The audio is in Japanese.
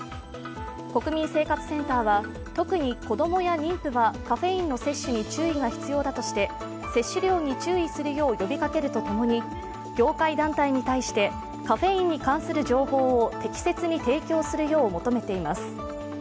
国民生活センターは特に子供や妊婦がカフェインの摂取に注意が必要だとして、摂取量に注意するよう呼びかけるとともに、業界団体に対して、カフェインに関する情報を適切に提供するよう求めています。